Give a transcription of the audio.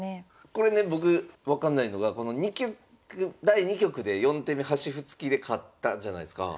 これね僕分かんないのが第２局で４手目端歩突きで勝ったじゃないすか。